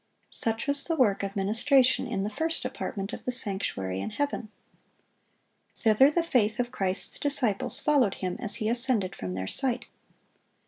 Such was the work of ministration in the first apartment of the sanctuary in heaven. Thither the faith of Christ's disciples followed Him as He ascended from their sight.